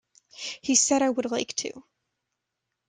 He said I would like to.